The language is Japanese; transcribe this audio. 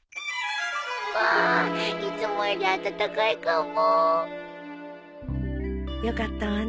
わあいつもより暖かいかも。よかったわね。